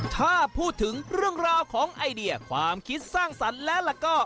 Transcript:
ถ้าพูดถึงเรื่องราวของไอเดียความคิดสร้างสรรค์แล้วก็